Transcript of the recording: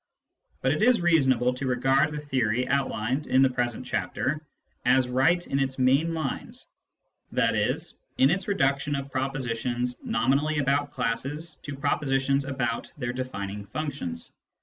But it is .reasonable to regard the theory outlined in the present chapter as right in its main lines, i.e. in its reduction of propositions nominally about classes to pro positions about their defining functions.